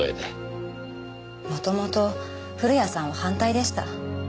元々古谷さんは反対でした。